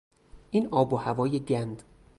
این آب و هوای گند